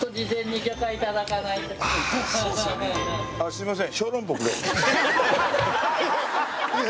すいません。